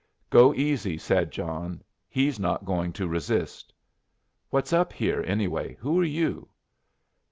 "Go easy," said John. "He's not going to resist." "What's up here, anyway? Who are you?"